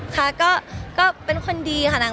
ค่ะก็เป็นคนดีค่ะนาง